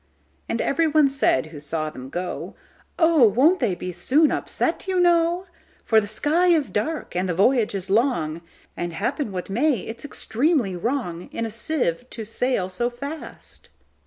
And every one said who saw them go,"Oh! won't they be soon upset, you know:For the sky is dark, and the voyage is long; And, happen what may, it 's extremely wrongIn a sieve to sail so fast."